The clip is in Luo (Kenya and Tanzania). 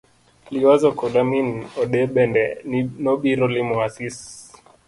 Liwazo koda min ode bende nobiro limo Asisi.